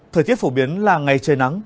thời tiết phổ biến là ngày trời nắng